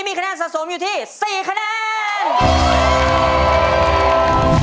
มีคะแนนสะสมอยู่ที่๔คะแนน